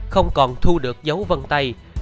không còn thu được dấu vân tay